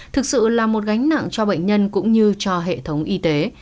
thực sự là một gánh nặng cho bệnh nhân cũng như cho hệ thống y tế